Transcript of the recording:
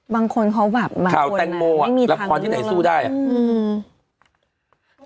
บางคนเค้าหวับบางคนไม่มีทางด้วยข่าวแต่งโมละละครที่ไหนสู้ได้อ่ะ